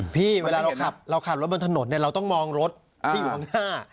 เวลาเราขับเราขับรถบนถนนเราต้องมองรถที่อยู่ข้างหน้า